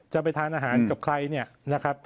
จะไปทานอาหารกับใครเนี่ยนะครับ